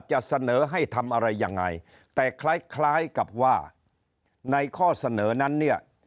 จะเสนอให้ทำอะไรยังไงแต่คล้ายคล้ายกับว่าในข้อเสนอนั้นเนี่ย